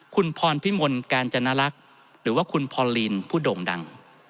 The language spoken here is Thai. คุณพรพิมลกาญจนลักษณ์หรือว่าคุณพอลินผู้โด่งดัง